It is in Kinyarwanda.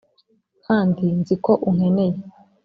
kandi nzi ko unkeneye